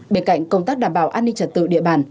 bên cạnh công tác đảm bảo an ninh trật tự địa bàn